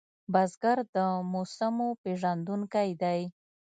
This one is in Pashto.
بزګر د موسمو پېژندونکی دی